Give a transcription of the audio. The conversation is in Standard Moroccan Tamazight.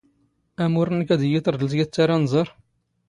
ⴰⵎⵓⵔ ⵏⵏⴽ ⴰⴷ ⵉⵢⵉ ⵜⵕⴹⵍⵜ ⵢⴰⵜ ⵜⴰⵔⴰⵏⵥⴰⵕ.